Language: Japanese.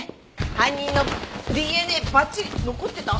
犯人のＤＮＡばっちり残ってた？